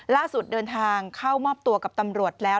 เดินทางเข้ามอบตัวกับตำรวจแล้ว